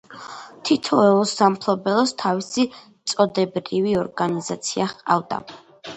თითოეულ სამფლობელოს თავისი წოდებრივი ორგანიზაცია ჰყავდა.